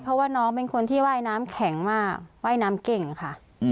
เพราะว่าน้องเป็นคนที่ว่ายน้ำแข็งมากว่ายน้ำเก่งค่ะ